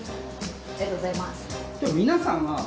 ありがとうございます。